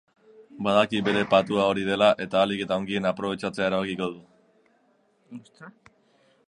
Badaki bere patua hori dela eta ahalik eta ongien aprobetxatzea erabakiko du.